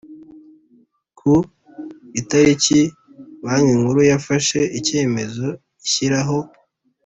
ku itariki Banki Nkuru yafashe icyemezo gishyiraho